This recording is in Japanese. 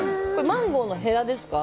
マンゴーのへらですか？